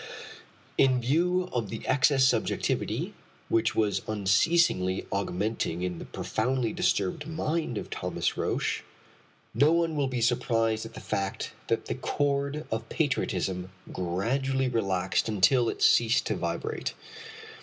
In view of the excess of subjectivity which was unceasingly augmenting in the profoundly disturbed mind of Thomas Roch, no one will be surprised at the fact that the cord of patriotism gradually relaxed until it ceased to vibrate.